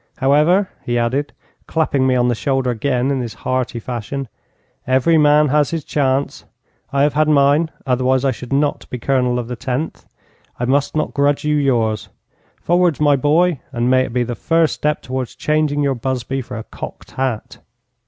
However,' he added, clapping me on the shoulder again in his hearty fashion, 'every man has his chance. I have had mine, otherwise I should not be Colonel of the Tenth. I must not grudge you yours. Forwards, my boy, and may it be the first step towards changing your busby for a cocked hat.'